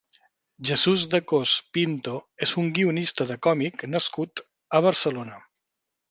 Jesús de Cos Pinto és un guionista de còmic nascut a Barcelona.